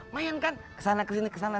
mayankan kesana kesini kesana